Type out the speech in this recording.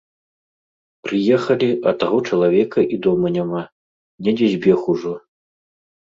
Прыехалі, а таго чалавека і дома няма, недзе збег ужо.